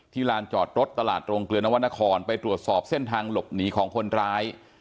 ลานจอดรถตลาดโรงเกลือนวรรณครไปตรวจสอบเส้นทางหลบหนีของคนร้าย